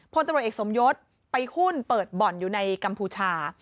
พลตำรวจเอกสมยศไปหุ้นเปิดบ่อนอยู่ในกัมพูชา